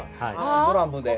ドラムで。